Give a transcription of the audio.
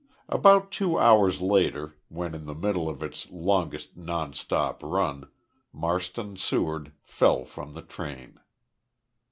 About two hours later, when in the middle of its longest non stop run, Marston Seward fell from the train.